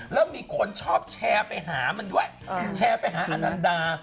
แล้วมีคนชอบแชร์ไปหามันด้วยแชร์ไปหาอนันดา